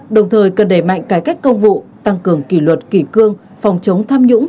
đồng thời cần đẩy mạnh cải cách công vụ tăng cường kỷ luật kỷ cương phòng chống tham nhũng